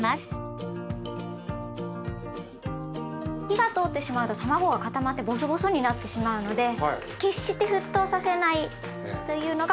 火が通ってしまうとたまごが固まってぼそぼそになってしまうので決して沸騰させないというのがポイントです。